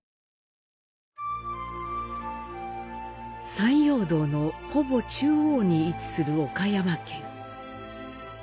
山陽道のほぼ中央に位置する岡山県。